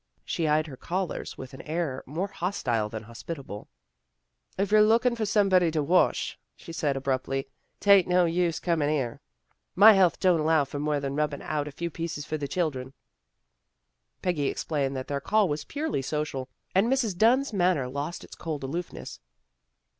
She eyed her callers with an air more hostile than hospitable. AT HOME WITH THE DUNNS 123 " If you're lookin' for somebody to wash," she said abruptly, " 'tain't no use comin' here. My health don't allow of more than rubbin' out a few pieces for the children." Peggy explained that their call was purely social, and Mrs. Dunn's manner lost its cold aloofness.